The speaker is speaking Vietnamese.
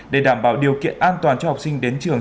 để đảm bảo điều kiện an toàn cho học sinh đến trường